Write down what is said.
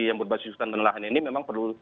yang berbasis hukuman penelahan ini memang perlu